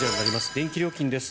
電気料金です。